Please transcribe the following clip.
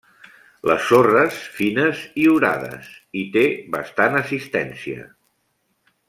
Les sorres fines i orades i té bastant assistència.